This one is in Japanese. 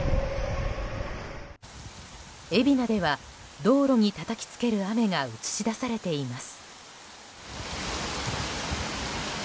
海老名では、道路にたたきつける雨が映し出されています。